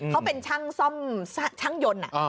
เขาเป็นช่างซ่อมช่างยนต์